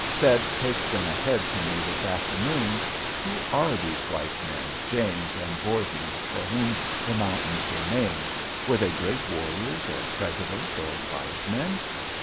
Said Takes Gun Ahead to me this afternoon: "Who are these white men, James, and Vorhis, for whom the mountains were named? Were they great warriors, or presidents, or wise men?"